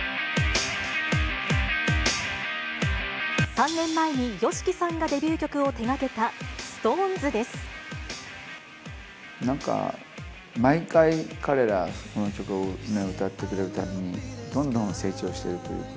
３年前にＹＯＳＨＩＫＩさんがデビュー曲を手がけた、なんか毎回、彼ら、この曲を歌ってくれるたびに、どんどん成長しているというか。